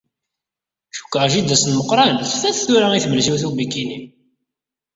Cukkeɣ jida-s n Meqqran tfat tura i tmelsiwt ubikini.